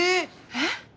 えっ？